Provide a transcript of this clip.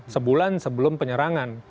sebulan sebelum penyerangan